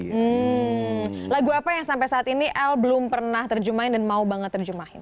hmm lagu apa yang sampai saat ini el belum pernah terjemahin dan mau banget terjemahin